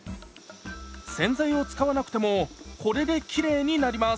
洗剤を使わなくてもこれできれいになります。